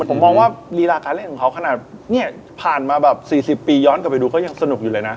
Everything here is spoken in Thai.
ผมมองว่ารีลาการเล่นของเขาขนาดเนี่ยผ่านมาแบบ๔๐ปีย้อนกลับไปดูเขายังสนุกอยู่เลยนะ